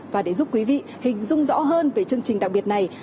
và để giúp quý vị hình dung rõ hơn về chương trình đặc biệt này